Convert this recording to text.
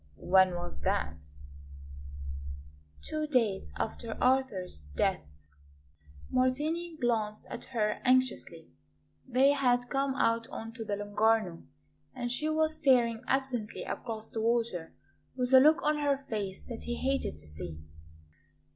"When was that?" "Two days after Arthur's death." Martini glanced at her anxiously. They had come out on to the Lung'Arno, and she was staring absently across the water, with a look on her face that he hated to see.